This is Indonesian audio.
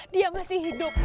dia masih hidup